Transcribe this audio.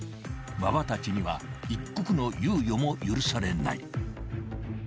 ［馬場たちには一刻の猶予も許されない］